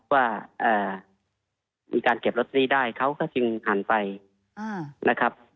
ว่ามีการเก็บลอตเตอรี่ได้เขาก็จึงหันไปนะครับ